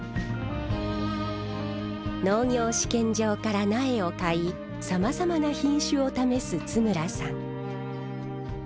農業試験場から苗を買いさまざまな品種を試す津村さん。